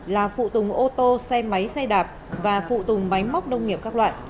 là phụ tùng ô tô xe máy xe đạp và phụ tùng máy móc nông nghiệp các loại